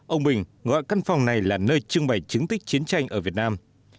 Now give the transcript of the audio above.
ông bình gọi căn phòng này là nơi trưng bày chứng tích chiến tranh ở việt nam